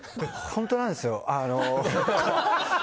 本当なんですよ。